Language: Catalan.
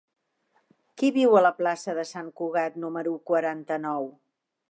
Qui viu a la plaça de Sant Cugat número quaranta-nou?